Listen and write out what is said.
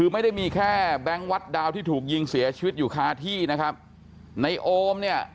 ไม่ได้มีแค่แบงค์วัดดาวที่ถูกยิงเสียชีวิตอยู่คาที่นะครับในโอมเนี่ย